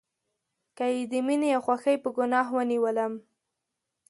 که یې د میینې او خوښۍ په ګناه ونیولم